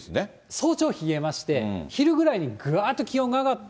早朝冷えまして、昼ぐらいにぐわっと気温が上がって、